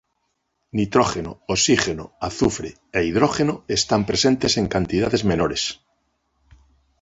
Nitrógeno, oxígeno, azufre e hidrógeno están presentes en cantidades menores.